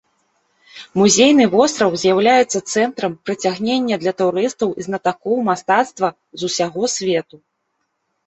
Музейны востраў з'яўляецца цэнтрам прыцягнення для турыстаў і знатакоў мастацтва з усяго свету.